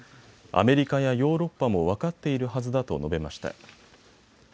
アメリカやヨーロッパも分かっているはずだと述べました。